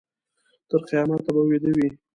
تر قیامته به ویده وي.